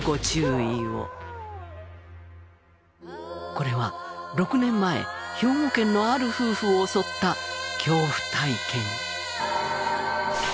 これは６年前兵庫県のある夫婦を襲った恐怖体験。